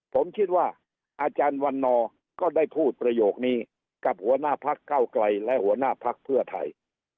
ผมคิดว่าอาจารย์วันนอร์ก็ได้พูดประโยคนี้กับหัวหน้าพักเก้าไกลและหัวหน้าพักเพื่อไทย